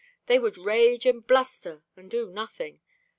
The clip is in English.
They would rage and bluster and do nothing.